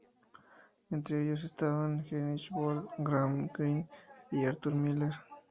Entre ellos estaban Heinrich Böll, Graham Greene y Arthur Miller.